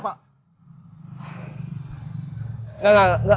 apa kita kejar aja pak